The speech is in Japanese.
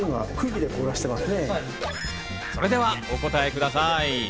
それではお答えください。